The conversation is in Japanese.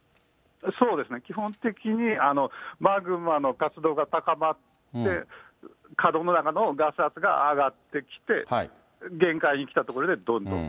そうですね、基本的にマグマの活動が高まって、火道の中のガス圧が上がってきて、限界に来たところでどんと。